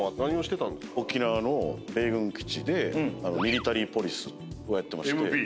沖縄の米軍基地でミリタリーポリスをやってまして。